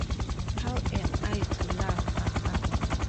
How am I to love papa?